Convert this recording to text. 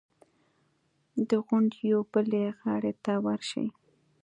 د غونډیو بلې غاړې ته ورشي.